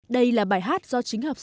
đây là bài hát do chính học sinh